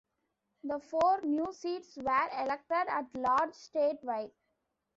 The four new seats were elected at-large statewide.